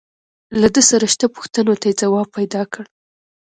له ده سره شته پوښتنو ته يې ځواب پيدا کړ.